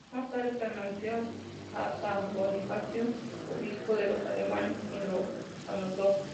Más tarde perteneció a san Bonifacio, obispo de los alemanes, quien lo anotó.